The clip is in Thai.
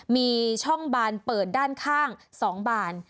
มีช่องบานเปิดด้านข้าง๒บาน